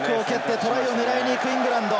トライを狙いにいくイングランド。